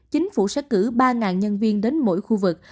chính phủ sẽ cử ba nhân viên đến mỗi khu vực